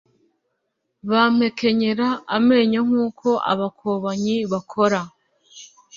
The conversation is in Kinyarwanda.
Bampekenyera amenyo nk’uko abakobanyi bakora